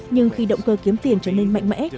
nhưng khi động cơ kiếm tiền trở nên mạnh mẽ